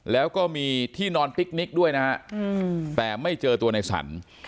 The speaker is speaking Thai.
แล้วก็มีที่นอนพิกนิกด้วยนะฮะแต่ไม่เจอตัวในสรร